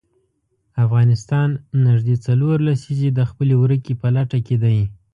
افغانستان نژدې څلور لسیزې د خپلې ورکې په لټه کې دی.